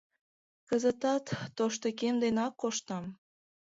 Кызытат тошто кем денак коштам.